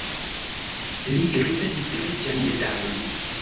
Li ricevis reĝan medalon.